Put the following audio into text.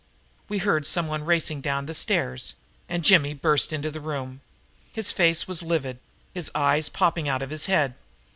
We heard someone racing down the stairs and Jimmy burst into the room. His face was livid, his eyes popping out of his head.